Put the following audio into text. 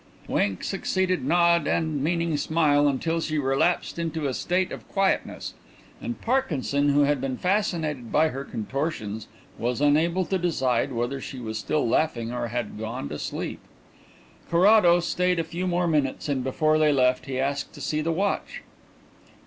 Wink succeeded nod and meaning smile until she relapsed into a state of quietness; and Parkinson, who had been fascinated by her contortions, was unable to decide whether she was still laughing or had gone to sleep. Carrados stayed a few more minutes and before they left he asked to see the watch.